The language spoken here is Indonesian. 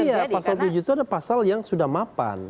iya pasal tujuh itu ada pasal yang sudah mapan